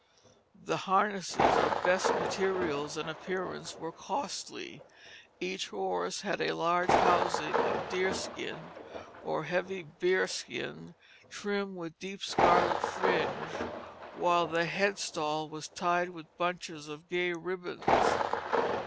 The harnesses, of best materials and appearance, were costly; each horse had a large housing of deerskin or heavy bearskin trimmed with deep scarlet fringe; while the head stall was tied with bunches of gay ribbons.